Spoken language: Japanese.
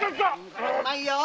うまいよお！